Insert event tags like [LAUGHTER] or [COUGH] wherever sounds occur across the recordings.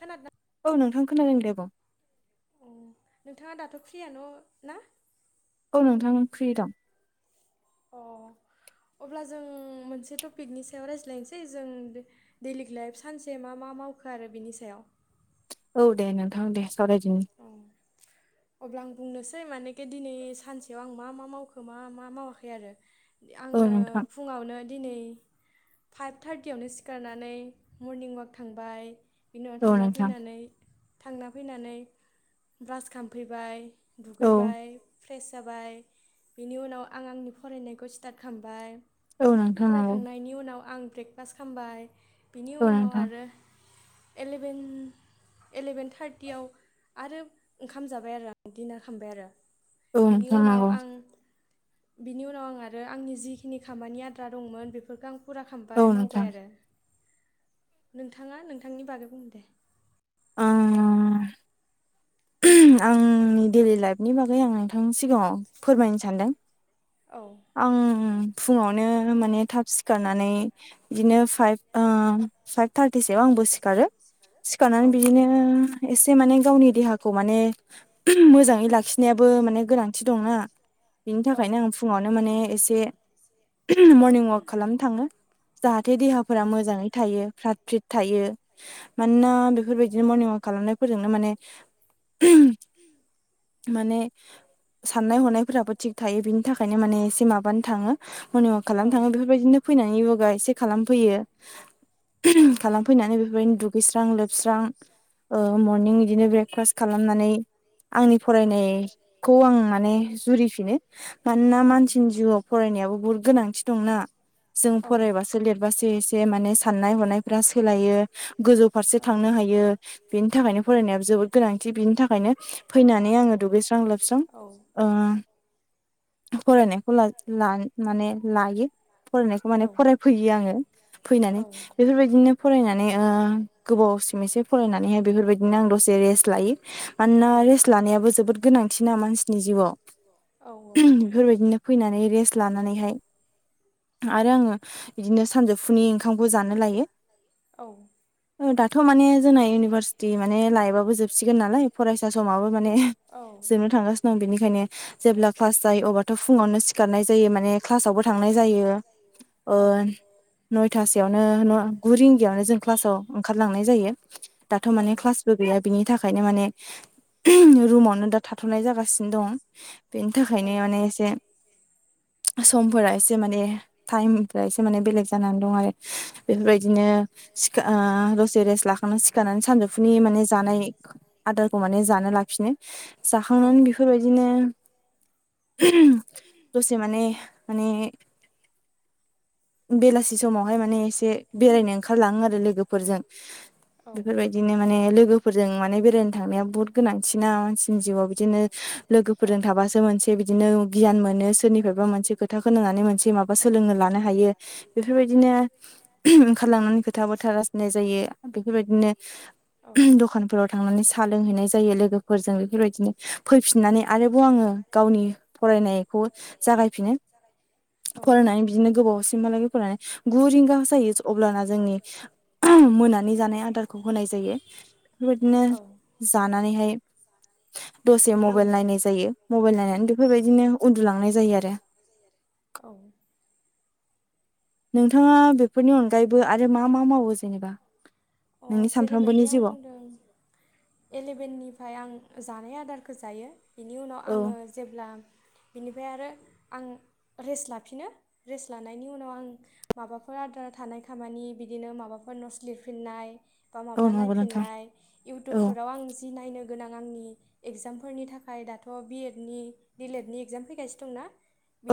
खोनादोना? औव नोंथां खोनादो दे बुं। अ नोंथाङा दाथ' फ्रियानो' ना? औव नोंथां फ्रि दं। अ। अब्ला जों मोनसे टपिकनि सायाव रायज्लायनोसै जों डेइलि लाइफ सानसे मा मा मावखो आरो बिनि सायाव। औ दे नोंथां दे सावरायदिनि। औ अब्ला आं बुंनोसै माने खे दिनै सानसेयाव आं मा मा मावखो मा मा मावाखै आरो औ आङो नोंथां फुङावनो दिनै फाइभ थार्टियावनो सिखारनानै मरनिं वाक थांबाय बेनि उनाव औ थांना नोंथां फैनानै थांना फैनानै ब्रास खामफैबाय औ दुगैबाय फ्रेस जाबाय बिनि उनाव आं आंनि फरायनायखौ स्टार्ट खामबाय औ नोंथां नंगौ फरायखांनायनि उनाव आं ब्रेकफास्ट खामबाय बिनि औ उनाव नोंथां आरो एलेभेन एलेभेन थार्टियाव आरो ओंखाम जाबाय आरो आं दिनार खमबाय आरो औ इनि नोंथां उनाव नंगौ आं बिनि उनाव आं आरो आंनि जिखिनि खामानि आद्रा दंमोन बेफोरखो आं फुरा औ खामबाय नोंथां मावबाय आरो नोंथाङा नोंथांनि बागै बुं दे ओ आंनि डेलि लाइफनि बागै आं नोंथांनि सिगाङाव फोरमायनो सानदों औ आं फुङावनो माने थाब सिखारनानै बिदिनो फाइभ ओ फाइभ थारटिसोआव आं बो सिखारो औ सिखारनानै बिदिनो एसे माने गावनि देहाखौ माने मोजाङै लाखिनायाबो माने गोनांथि दंना बेनि औ थाखायनो आं फुङावनो माने एसे मरनिं वाक खालामनो थाङो जाहाथे औ देहाफोरा मोजाङै थायो फ्रात फ्रिट थायो मानोना बेफोरबायदिनो मरनिं वाक खालामनायफोरजोंनो माने [INAUDIBLE] माने साननाय हनायफोराबो थिग थायो बिनि थाखायनो माने एसे माबानो थाङो। मरनिं वाक खालामनो थाङो बेफोरबायदिनो फैना यगा एसे खालामफैयो औ खालामफैनानै बेफोबायदिनो दुगैस्रां लोबस्रां ओ मरनिं इदिनो ब्रेकफास्ट खालामनानै आंनि फरायनायखौ आं माने जुरिफिनो मानोना मानसिनि जिउआव फराय हायाबो बुहुद गोनांथि दंना जों औ फरायबासो लिरबासो एसे माने साननाय हनायफोरा सोलायो गोजौ औ फारसे थांनो हायो बेनि थाखायनो फरायनायाबो जोबोद फायनो फैनानै आङो दुगैस्रां लोबस्रां ओ फरायनायखौ ला लान माने लायो। फरायनायखौ माने फरायफैयो आङो फैनानै बेफोरबायदिनो फरायनानै ओ गोबावसिम एसे फरायनानैहाय बेफोरबायदिनो आं दसे रेस्ट लायो मानोना रेस्ट लानायाबो जोबोद गोनांथिना मानसिनि जिउआव बेफोरबायदिनो फैनानै रेस्ट लानानैहाय आरो आङो इदिनो सानजौफुनि ओंखामखौ जानो लायो औ थ' माने जोंना इउनिभारसिटि माने लाइबाबो जोबसिगोन नालाय फरायसा समाबो माने जोबनो थांगासिनो दं बेनिखायनो जेब्ला क्लास जायो अब्लाथ फुङावनो सिखारनाय जायो माने क्लासावबो थां नाय जायो। ओ नयथासेयावनो न गु रिंगायावनो जों क्लासाव ओंखारलांनो नाय जायो दाथ' माने क्लासबो गैया बिनि थाखायनो माने रुमावनो दा थाथनाय जागासिनो दं बेनि थाखायनो माने एसे आस [INAUDIBLE] समफोरा एसे माने टाइमफ्रा एसे माने बेलेग जानानै दं आरो बेफोरबायदिनो ओ दसे रेस्ट लाखांना सिखारनानै सानजौफुनि माने जानाय आदारखौ माने जानो लाफिनो जाखांनानै बेफोरबायदिनो दसे माने माने बेलासि - समावहाय माने एसे बेरायनो ओंखारलाङो आरो लोगोफोरजों। बेफोरबायदिनो माने लोगोफोर - जों माने बेरायनो थांनाया बहुद गोनांथिना मानसिनि जिउवाव बिदिनो लोगो फोरजों थाबा सो मोनसे बिदिनो - नो गियान मोनो सोरनिफ्रायबा मोनसे खोथा खोनानानै मोनसे माबा सोलोंनानै लानो हायो! बेफोर बायदिनो - बिदिनो ओंखारलांनानै खोथा - बाथ्रा राससिनाय जायो। बेफोरबायदिनो - दख दखानाव थांनानै साहा लोंहैनाय जायो! लोगोफोरजों बेफोरबायदिनो फैफिननानै आरोबाव आंङो गावनि - फरायनायखौ जागायफिनो! जानाय फरायनानै बिदिनो गोबावसिमहालागै फरायनानै - गु रिंगा जायो अब्लाना जोंनि मोनानि जानाय आदारखौ होनाय जायो! बादिनो औ जानानैहाय दसे मबाइल नायन - जायो, मबाइल नायनानै बेफोरबायदिनो उन्दुलांनाय जायो आरो - नोंथाङा बेफोरनि अनगायैबो आरो मा - मा मावो जेनेबा? नोंनि अ सानफ्रोमबोनि जेरैबायदि आं जिउआव बुंदों - एलेभेननिफ्राय आं जानाय आदारखौ जायो बेनि उनाव औ आङो जेब्ला - बेनिफ्राय आरो आं रेस्ट लाफिनो। रेस्ट लानायनि उनाव आं माबाफोर आदार - थानाय खामानि बिदिनो माबाफोर नस लिरफिननाय बा औ माबा नंगौ नोंथां नायफिननाय इउटुब- औ आं जि नायनो गोनां आंनि इगजामफोरनि थाखाय दाथ' बि एड निल एड नि इगजाम फैगासिनो! दंना!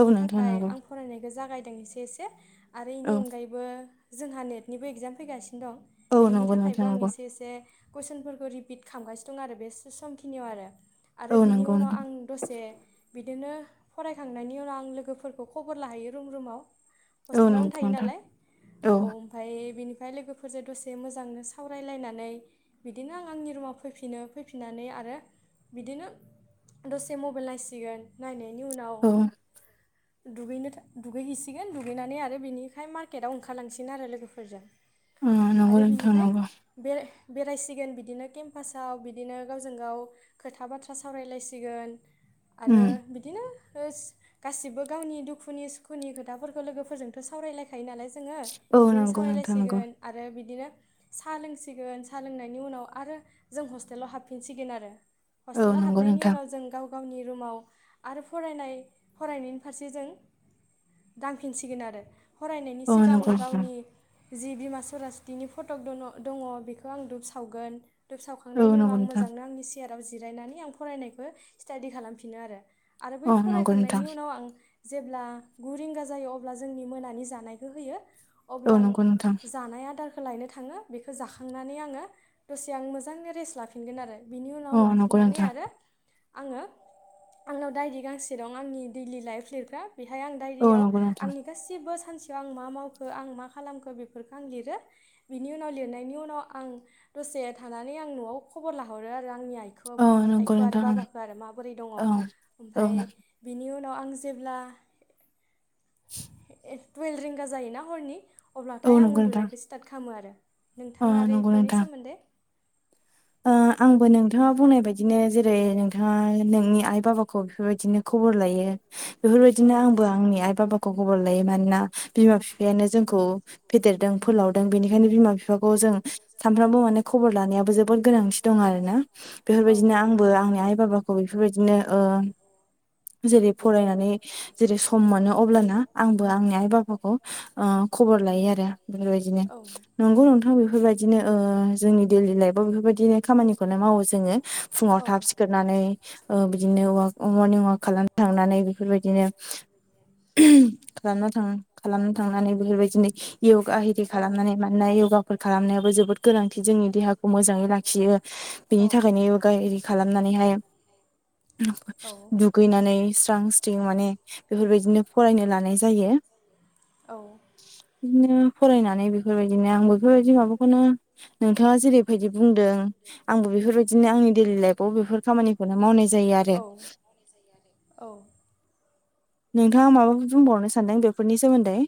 औ नोंथां थाखाय नंगौ आं फरायनायखौ जागायदों एसे - एसे आरो बेनि औ अनगायैबो! जोंहा नेटनिबो एगजाम फैगासिनो! दं औ बिनि नंगौ थाखायबो नोंथां आं नंगौ एसे एसे कुइसनफोरखौ रि - बिट खामगासिनो दं आरो! बे समखिनियाव आरो आरो औ बिनि नंगौ उनाव नोंथां आं दसे - बिदिनो फरायखांनायनि उनाव आं लोगोफोरखौ खबर लाहैयो रुम रुमाव! औ हस्टेलावनो नंगौ थायो नोंथां नालाय औ ओमफ्राय बेनि! ओमफ्राय लोगोफोरजों दसे मोजांनो सावरायलायनानै बिदिनो - आंनि रुमाव फैफिनो! फैफिननानै आरो बिदिनो - दसे मबाइल नायसिगोन! नायनायनि उनाव औ - दगैनो दुगैहैसिगोन दुगैनानै आरो बिनिखाय मार्केटआव ओंखारलांसिगोन आरो लोगोफोरजों! अ नंगौ आरो बिनिफ्राय नोंथांङाबो! बेरायसिगोन बिदिनो केम्पासाव बिदिनो गावजों गाव खोथा - बाथ्रा सावरायलायसिगोन! आरो उम बिदिनो! गासिबो गावनि दुखुनि - सुखुनि खोथाफोरखौ लोगोफोरजोंथ' सावरायलायखायो नालाय! जोङो औ बिदिनो नंगौ नोंथां नंगौ सावायसिगोन आरो बिदिनो साहा लोंसिगोन साहा लोंनायनि उनाव! आरो जों हस्टेलाव हाबफिनसिगोन आरो औ हस्टेलाव नंगौ हाबनायनि नोंथां उनाव जों गाव! गावनि रुमाव आरो फरायनाय फरायनायनि फारसे जों! दांफिनसिगोन आरो फरायनायनि औ सिगां नंगौ गावनि! नोंथां जि बिमा सरासतिनि फटक दन, दङ बेखौ आं दुब सावगोन! धुब औ सावखांनायनि नंगौ उनाव आं नोंथां मोजांनो आंनि सियाराव जिरायनानै आं फरायनायखौ स्टाडि खालामफिनो आरो! आरो बै औ नंगौ फरायखांनायनि नोंथां उनाव आं! जेब्ला गुरिंगा जायो अब्ला जोंनि मोनानि जानायखौ होयो! अब्ला औ आं, नंगौ नोंथां जानाय आदारखौ लायनो थाङो बेखौ जाखांनानै आङो - दसे आं मोजां रेस्ट लाफिनगोन आरो! बिनि उनाव औ नंगौ लाफिननानै नोंथां आरो, आङो आंनाव दायरि गांसे दं आंनि दैलि लाइफ लिरग्रा! बेहाय आं औ दायरियाव नंगौ नोंथां आंनि गासिबोस! सानसेयाव आं मा मावखो आं मा खालामखो बेफोरखौ आं लिरो! बिनि उनाव लिरनायनि उनाव आं - दसे थानानै आं न'आव खबर लाहरो आरो आंनि आइ- आइखौ, औ नंगौ आइखौ आरो नोंथां बाबाखौ आरो माबोरै दङ औ औ ओफाय बिनि उ - नाव आं जेब्ला - [INAUDIBLE] टुवेल रिंगा जायोना हरनि अब्लाथाय औ आं नंगौ नोंथां उन्दुनायखौ स्टार्ट खालामो आरो अ नोंथाङा आरो नंगौ बेफोरनि नोंथां सोमोन्दै आंबो नोंथाङा बुंनाय बायदिनो जेरै नोंथाङा नोंनि आइ बाबाखौ बेफोरबायदिनो खौ बर लायो बेफोरबायदिनो औ आंबो आंनि आइ बा खबर लायो मानोना बिमा बिफायानो जोंखौ फेदेरदों फोलावदों बेनिखायनो बिमा बिफाखौ जों सानफ्रामबो माने खबर लानायाबो जोबोद गोनांथि दं आरो ना? औ बेफोरबायदिनो आंबो आंनि आइ बाबाखौ बेफोरबायदिनो ओ जेरै फरायनानै जेरै सम मोनो अब्लाना आंबो आंनि आइ बाबाखौ ओ खबर लायो आरो बेफोरबायदिनो औ नंगौ नोंथां बेफोरबायदिनो जोंनि दैडलि लाइफ बेफोरबायदिनो खामानिखौलाय मावो जोङो फुङाव औ थाब सिखारनानै बिदिनो वाक मर्निं ववाक खालाम थांनानै बेफोरबायदि बिनो थ खालामनो खालाम थांनानै बेफोरबायदि दि यगा हि खालामनानै मानोना योगाफोर खालामनायाबो जोबोद गोनांथि जोंनि देहाखौ खौ मोजाङै लाखयो बेनि औ थाखायनो योगा एरि खालामनानैहाय औ दुगैनानै स्रां स्रिं माने बेफोर बेफोरबायदिनो फरायनो लानाय जायो औ बिदिनो फरायनानै बेफोरबायदिनो आं बेफोरबायदि माबाखौनो नोंथाङा बेबायायदि बुंदों आंबो बेफोरबायदिनो आंनि दैडलि लाइफआव बेफोर खामानिखौनो मावनाय जायो आरो। औ औ नोंथाङा माबाफोर बुंबावनो सानदों बेफोरनि सोमोन्दै?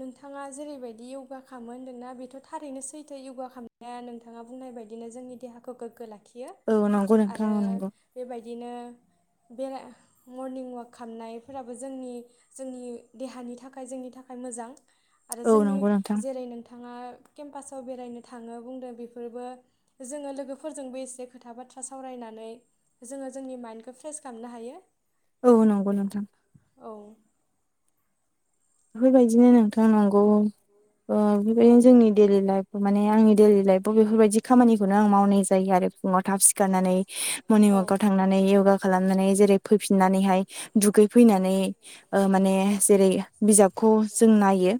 नोंथाङा जेरैबायदि य'गा खामोन नोंना बेथ' थारैनो सैथो यगा खालामनाया नोंथाङा बुंनाय बेबायदिनो जोंनि देहाखौ गोग्गो लाखियो औ नंगौ नोंथां आरो औ नंगौ बेबायदिनो बे मरनिं ववाक खालामामनायफोराबो जोंनि जोंनि देहानि थाखाय जोंनि थाखाय थाखाय मोजां आरो औ जोंनि नंगौ नोंथां जेरै नोंथाङा केम्पासाव बेरायनो थाङो बुंदों बेफोरबो जोङो लोगोफोरजोंबो एसे खोथा बाथ्रा सावरायनानै नानै जोङो जोंनि माइन्दखौ फ्रेस खालामनो हायो। औ नंगौ नोंथां। औ बेफोरबायदिनो नोंथां नंगौ बेफोरबायदिनो औ जोंनि दैडलि लाइफ माने आंनि डेलि लाइफव बेफोरबायदि खामानिखौनो आं मावनाय जायो आरो फुङाव थाब सिखारनानै मर्निं औ ववाकव थांनानै योगा खालामनानै जेरै फैफिननानैहाय दुगै फैनानै माने जेरै बिजाबखौ जों नायो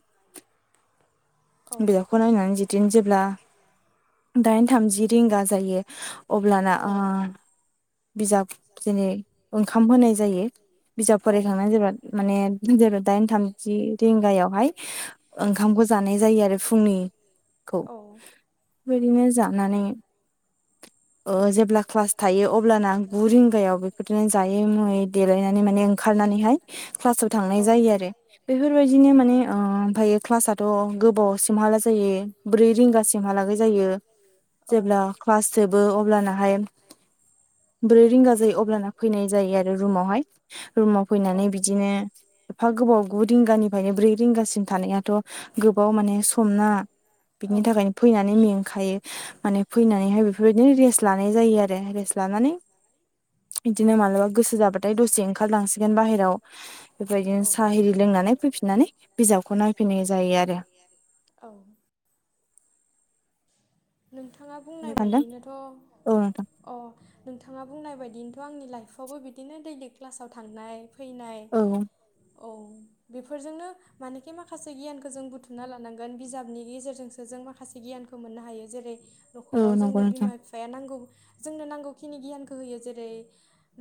औ बिजाबखौ नायनानै जदिनो जेब्ला दाइन थामजि रिंगा जायो अब्लाना ओ औ बिजाब जेनै ओंखाम होनाय जायो बिजाब औ फरायखांनानै जोबोाद माने जबो दाइन थामजि रिंगायावहाय ओंखामखौ जानाय जायो आरो फुंनिखौ बेबायदिनो जानानै जे अब्ला क्लास थायो अब्लाना गु रिंगायाव बेफोरदिनो जायै मुयै देलायनानै माने ओंखारनानैहाय क्लासाव थांनाय जायो आरो। बेफोरबायदिनो माने ओमफ्रायायो क्लासथ' गोबावसिमहाला जायो ब्रै रिंगासिम लागै जायो जेब्ला औ क्लस्द जोबो अब्लानाहाय [INAUDIBLE] ब्रै रिंगा जायो अब्लाना फैनाय जायो आरो रुमावहाय रुमाव फैनानै बिदिनो एफा गोबाव गु रिंगानिफ्रायनो ब्रै रिंगासिम थानायाथ' गोबाव माने समना औ बिनि थाखायनो फैनानै मेंखायो माने फैनानैहाय बेफोरबायदिनो रेस्ट लानाय जायो। जै आरो रेस लानानै बिदिनो मालाबा गोसो जाबाथाय दसे ओंखारलांसिगोन बाहेराव बेबायदिनो औ साहा लोंनानै फैफिननानै बिजाबखौ नायफैनाय जायो आरो। औ नोंथाङा बुंनाय सानदों बायदिनोथ' औ नोंथां अ नोंथाङा बुंनाय बायदि बिनथ' आंनि लाइफआवबो बिदिनो दैलि क्लासाव थांनाय फैनाय औ औ। बेफोरजोंनो मानेखि माखासे गियानखो जों बुथुमना लानांगोन बिजाबनि गेजेरजोंसो जों माखासे गियान खौ मोननो हायो जेरै न'खराव औ नंगौ जोंनो बिमा नोंथां बिफाया नांगौ जोंनो नांगौखिनि गियानखौ होयो जेरै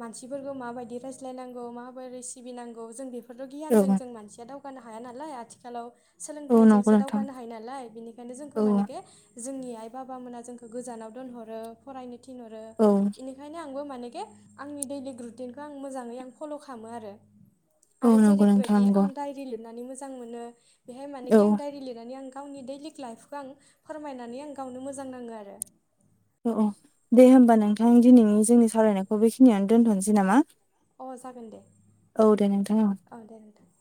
मानसिफोरखौ माबायदि रायज्लायनांगौ माबोरै सिबिनांगौ जों बेफोरल' औ गियानजों जों मानसिया दावगानो हाया नालाय आथिखालाव। औ नंगौ सोलोंथाइजोंसो नोंथां दावगानो हायो नालाय बिनिखायनो जोंखौ औ मानेखे जोंनि आइ बाबामोना जोंखौ गोजानाव दोनहरो फरायनो थिनहरो औ बेनिखायनो आं आंबो मानेखे आंनि दैलिक रुटिनखौ आं मोजाङै आं फल' खामो आरो। औ आरो नंगौ नोंथां जेरैबायदि नंगौ आं डायरि लिरनानै मोजां मोनो बेहाय औ मानेखि आं डाइरि लिरनानै आं गावनि दैलिक लाइफखौ आं फोरमायनानै आं गावनो मोजां नाङो आरो। अह अह दे होमबा नोंथां दिनैनि जोंनि सावरायनायखौ बेखिनियावनो दोनथ'नोसै नामा? अह जागोन दे औ दे नोंथां औ दे नोंथां।